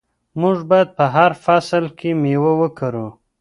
موږ باید په هر فصل کې میوه وکرو.